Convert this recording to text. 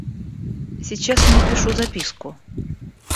Сейчас я напишу записку.